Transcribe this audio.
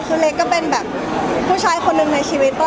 คือเล็กก็เป็นแบบผู้ชายคนหนึ่งในชีวิต